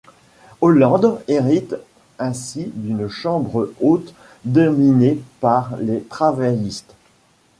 Holland hérite ainsi d'une chambre haute dominée par les Travaillistes.